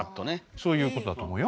そういうことだと思うよ。